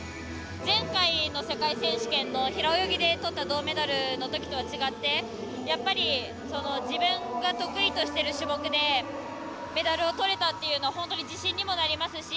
前回の世界選手権の平泳ぎでとった銅メダルのときとは違ってやっぱり自分が得意としている種目でメダルをとれたっていうのは本当に自信にもなりますし